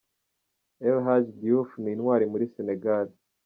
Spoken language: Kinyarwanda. El Hadji Diouf ni intwari muri Senegal.